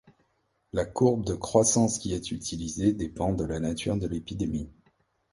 La courbe de croissance qui est utilisée dépend de la nature de l'épidémie.